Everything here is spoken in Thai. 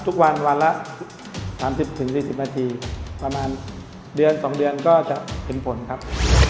ทุกวันวันละ๓๐๔๐นาทีประมาณเดือน๒เดือนก็จะเห็นผลครับ